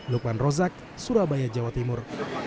lukman rozak surabaya jawa timur